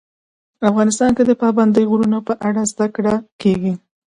افغانستان کې د پابندی غرونه په اړه زده کړه کېږي.